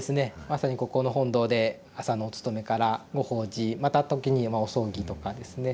まさにここの本堂で朝のお勤めからご法事また時にお葬儀とかですね